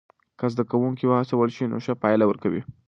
که زده کوونکي وهڅول سی نو ښه پایله ورکوي.